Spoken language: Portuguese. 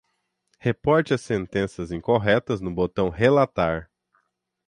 Reporte as sentenças incorretas no botão "relatar"